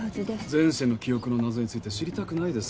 前世の記憶の謎について知りたくないですか？